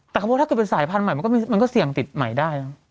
แต่พวกถ้าถึงเป็นสายพันธุ์๑๒ปีเวลาก็มีเสี่ยงให้ติดใหม่ได้